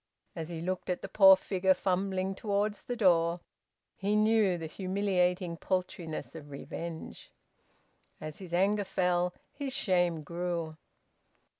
As he looked at the poor figure fumbling towards the door, he knew the humiliating paltriness of revenge. As his anger fell, his shame grew.